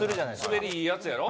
滑りいいやつやろ？